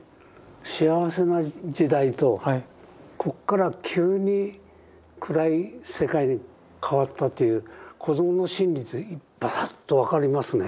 幸せな時代とここから急に暗い世界に変わったという子どもの心理ばさっと分かりますね。